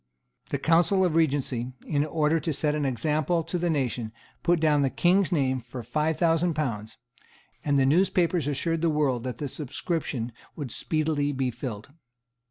The Council of Regency, in order to set an example to the nation, put down the King's name for five thousand pounds; and the newspapers assured the world that the subscription would speedily be filled.